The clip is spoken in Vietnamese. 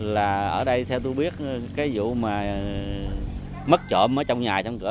là ở đây theo tôi biết cái vụ mà mất trộm ở trong nhà trong cửa